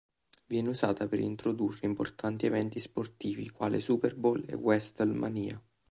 Viene usata per introdurre importanti eventi sportivi quali Super Bowl e WrestleMania.